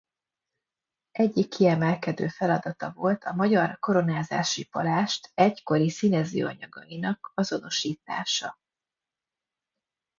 Egyik kiemelkedő feladata volt a magyar koronázási palást egykori színezőanyagainak azonosítása.